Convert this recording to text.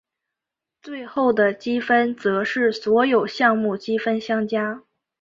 最后的积分则是所有项目积分相加。